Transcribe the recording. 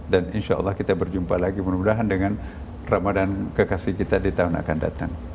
dan insya allah kita berjumpa lagi mudah mudahan dengan ramadan kekasih kita di tahun depan